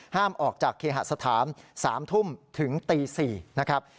ห้ามออกจากเคหสถาน๓ทุ่มถึงตี๔นะครับ